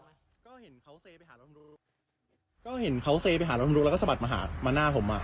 ก็เห็นเขาเซไปหาน้องรู้ก็เห็นเขาเซไปหาน้องรุแล้วก็สะบัดมาหามาหน้าผมอ่ะ